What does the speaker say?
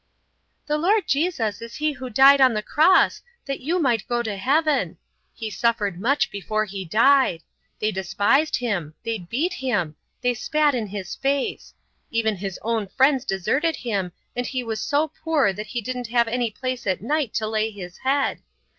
"The Lord Jesus is He who died on the cross, that you might go to Heaven. He suffered much before He died. They despised Him. They beat Him. They spat in His face. Even His own friends deserted Him and He was so poor that He didn't have any place at night to lay His head.